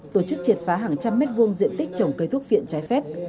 tổ chức triệt phá hàng trăm mét vuông diện tích trồng cây thuốc viện trái phép